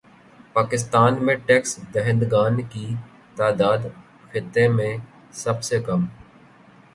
پاکستان میں ٹیکس دہندگان کی تعداد خطے میں سب سے کم